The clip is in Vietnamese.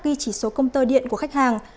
ghi chỉ số công tơ điện của khách hàng